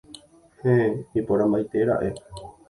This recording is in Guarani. Heẽ... iporãmbaite ra'e.